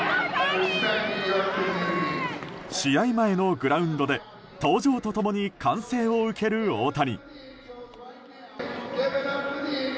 試合前のグラウンドで登場と共に歓声を受ける大谷。